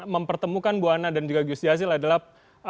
mempertemukan bu ana dan juga gus jazil adalah